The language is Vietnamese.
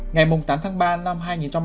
ngày tám tháng ba năm hai nghìn hai mươi